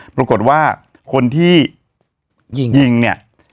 ปรากฏว่าคนที่ยิงยิงเนี่ย